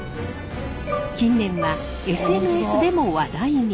近年はＳＮＳでも話題に。